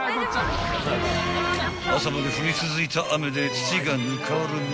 ［朝まで降り続いた雨で土がぬかるみ